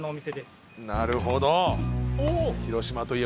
なるほど。